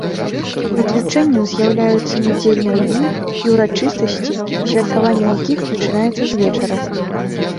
Выключэннем з'яўляюцца нядзельныя дні і ўрачыстасці, святкаванне якіх пачынаецца з вечара.